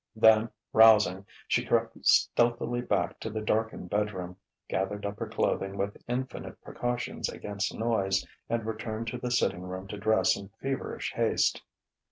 Then, rousing, she crept stealthily back to the darkened bedroom, gathered up her clothing with infinite precautions against noise, and returned to the sitting room to dress in feverish haste....